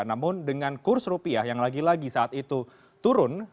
namun dengan kurs rupiah yang lagi lagi saat itu turun